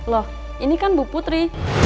loh ini kan bu putri